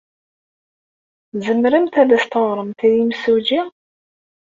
Tzemremt ad as-teɣremt i yimsujji?